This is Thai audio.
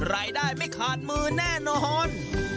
รายได้ไม่ขาดมือแน่นอน